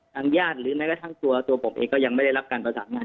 ญาติหรือแม้กระทั่งตัวผมเองก็ยังไม่ได้รับการประสานงาน